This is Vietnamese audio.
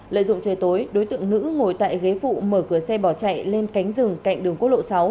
lợi dụng trời tối đối tượng nữ ngồi tại ghế phụ mở cửa xe bỏ chạy lên cánh rừng cạnh đường quốc lộ sáu